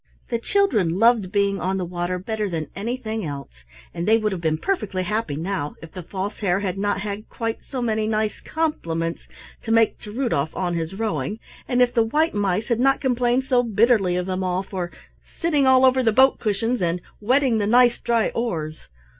The children loved being on the water better than anything else, and they would have been perfectly happy now, if the False Hare had not had quite so many nice compliments to make to Rudolf on his rowing, and if the white mice had not complained so bitterly of them all for "sitting all over the boat cushions," and "wetting the nice dry oars!"